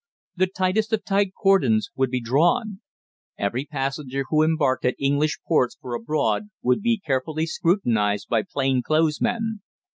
The tightest of tight cordons would be drawn. Every passenger who embarked at English ports for abroad would be carefully scrutinized by plain clothes men.